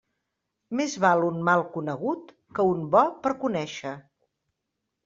Més val un mal conegut que un bo per conéixer.